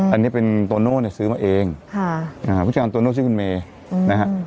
อันนี้เป็นโตโน่เนี่ยซื้อมาเองค่ะนะฮะผู้จัดการโตโน่ชื่อคุณเมย์นะฮะ